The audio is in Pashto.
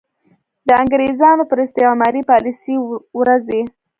د انګرېزانو پر استعماري پالیسۍ ورځي.